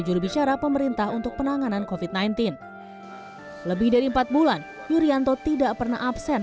jurubicara pemerintah untuk penanganan kofit sembilan belas lebih dari empat bulan yurianto tidak pernah absen